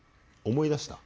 思い出した？